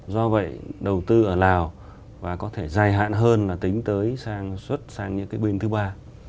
do vậy đầu tư ở lào và có thể dài hạn hơn là tính tới xuất sang những cái bên thứ ba